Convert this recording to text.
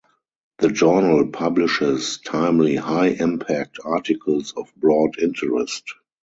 The journal publishes timely high-impact articles of broad interest.